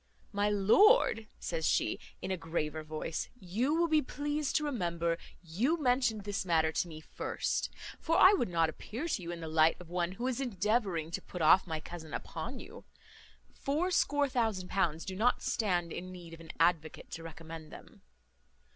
"My lord," says she, in a graver voice, "you will be pleased to remember, you mentioned this matter to me first; for I would not appear to you in the light of one who is endeavouring to put off my cousin upon you. Fourscore thousand pounds do not stand in need of an advocate to recommend them."